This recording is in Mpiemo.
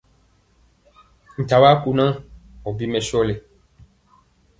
Nta wa kunaa ɔ bi mɛsɔli!